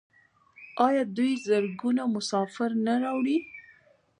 آیا دوی زرګونه مسافر نه راوړي؟